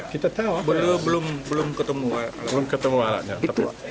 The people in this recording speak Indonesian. kita tahu belum ketemu alatnya